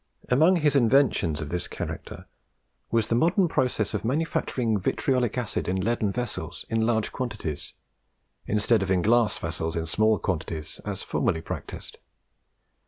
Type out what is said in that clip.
Among his inventions of this character, was the modern process of manufacturing vitriolic acid in leaden vessels in large quantities, instead of in glass vessels in small quantities as formerly practised.